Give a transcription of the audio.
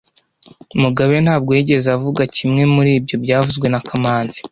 Mugabe ntabwo yigeze avuga kimwe muri ibyo byavuzwe na kamanzi